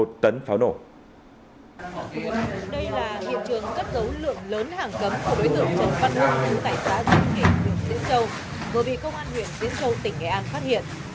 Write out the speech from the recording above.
đây là hiện trường cất giấu lượng lớn hàng cấm của đối tượng trần văn nguyên tài xã dương kỳ tỉnh diễn châu vừa bị công an huyện diễn châu tỉnh nghệ an phát hiện